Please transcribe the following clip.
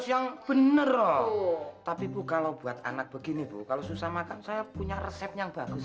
yang bener loh tapi bu kalau buat anak begini bu kalau susah makan saya punya resep yang bagus